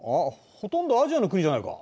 ほとんどアジアの国じゃないか。